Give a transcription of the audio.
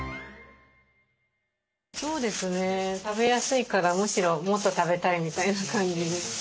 食べやすいからむしろもっと食べたいみたいな感じに。